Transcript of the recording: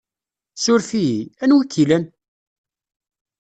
Suref-iyi! Anwa i k-ilan?